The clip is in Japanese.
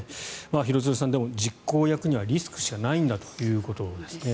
廣津留さん、実行役にはリスクしかないんだということです。